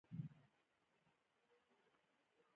د مغز د خوړو لپاره باید څه شی وخورم؟